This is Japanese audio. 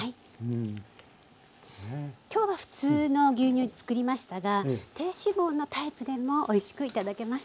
今日は普通の牛乳で作りましたが低脂肪のタイプでもおいしく頂けます。